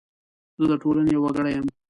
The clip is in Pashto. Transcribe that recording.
زه د ټولنې یو وګړی یم .